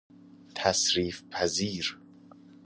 تصریف پذیر